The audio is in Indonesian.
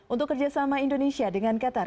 untuk kerjasama indonesia dengan qatar